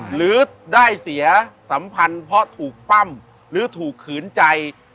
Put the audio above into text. หรือได้เสียสัมพันธ์เพราะถูกปั้มหรือถูกขืนใจ